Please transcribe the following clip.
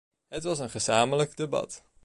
Het was een gezamenlijk debat.